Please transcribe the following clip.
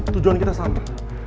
tujuan kita sama